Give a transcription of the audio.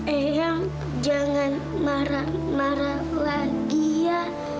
eyang jangan marah marah lagi ya